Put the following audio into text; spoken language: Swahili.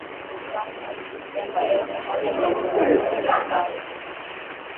mnamo mwezi Septembaelfu moja mia tisa hamsini na tatu